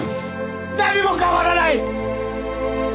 何も変わらない！